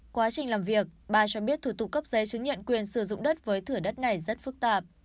quá trình làm việc bà cho biết thủ tục cấp giấy chứng nhận quyền sử dụng đất với thửa đất này rất phức tạp